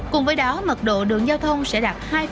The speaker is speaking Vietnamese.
cùng với đó mật độ đường giao thông sẽ đạt hai